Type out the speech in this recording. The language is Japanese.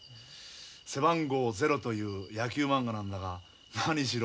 「背番号０」という野球まんがなんだが何しろ